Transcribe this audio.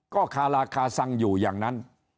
ก็คาราคาซังอยู่อย่างนั้น